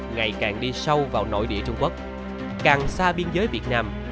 ngày càng đi sâu vào nội địa trung quốc càng xa biên giới việt nam